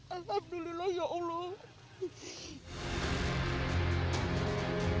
alhamdulillah ya allah